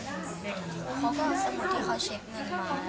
เขาก็สมมติ่เขาเช็คเงินมา